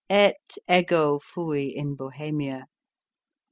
Et ego fiii in Bohemia